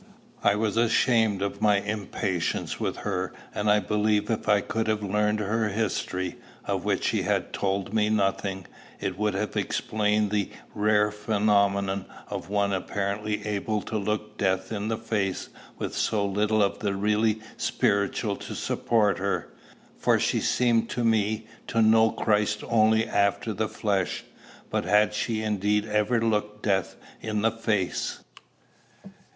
I was ashamed of my impatience with her, and believed if I could have learned her history, of which she had told me nothing, it would have explained the rare phenomenon of one apparently able to look death in the face with so little of the really spiritual to support her, for she seemed to me to know Christ only after the flesh. But had she indeed ever looked death in the face?